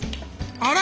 あれ？